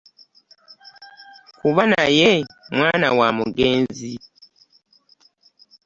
Kuba naye mwana wa mugenzi